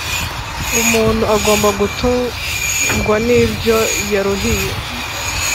Umuntu agomba gutungwa nibyo yaruhiye